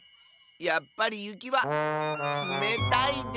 やっぱりゆきはつめたいでスノー。